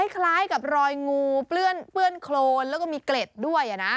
คล้ายกับรอยงูเปื้อนโครนแล้วก็มีเกล็ดด้วยนะ